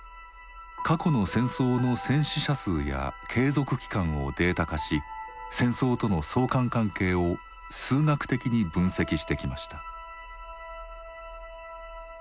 過去の戦争の戦死者数や継続期間をデータ化し戦争との相関関係を数学的に分析してきました。